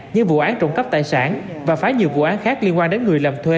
như vụ án trộm cắp tài sản và phá nhiều vụ án khác liên quan đến người làm thuê